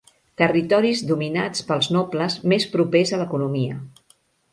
Territoris dominats pels nobles més propers a l'economia.